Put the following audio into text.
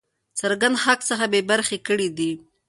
څرګند حق څخه بې برخي کړی دی.